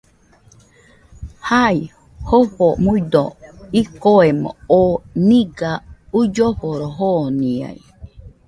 Jai, Jofo nuido ikoemo, oo niga uilloforo joniai